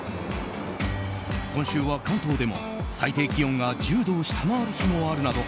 今週は関東でも、最低気温が１０度を下回る日もあるなど